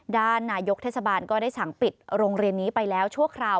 ด้านนายกเทศบาลก็ได้สั่งปิดโรงเรียนนี้ไปแล้วชั่วคราว